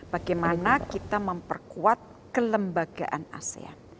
bagaimana kita memperkuat kelembagaan asean